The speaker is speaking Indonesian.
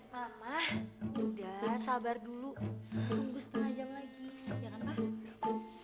mama udah sabar dulu tunggu setengah jam lagi